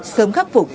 sớm khắc phục